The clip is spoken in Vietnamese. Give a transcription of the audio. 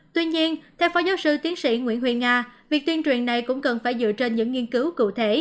tuy nhiên theo phó giáo sư tiến sĩ nguyễn huyền nga việc tuyên truyền này cũng cần phải dựa trên những nghiên cứu cụ thể